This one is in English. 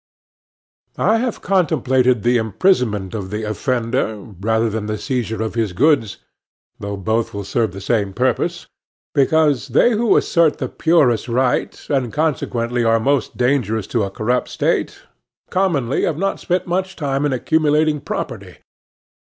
I have contemplated the imprisonment of the offender, rather than the seizure of his goods,—though both will serve the same purpose,—because they who assert the purest right, and consequently are most dangerous to a corrupt State, commonly have not spent much time in accumulating property.